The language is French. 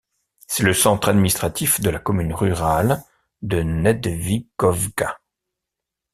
C’est le centre administratif de la commune rurale de Nedvigovka.